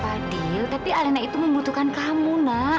fadil tapi alina itu membutuhkan kamu nak